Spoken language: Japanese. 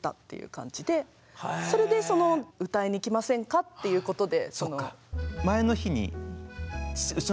それで「歌いに来ませんか」っていうことで。